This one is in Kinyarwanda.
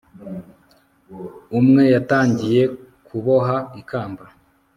Umwe yatangiye kuboha ikamba